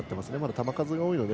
球数が多いので。